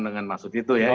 dengan maksud itu ya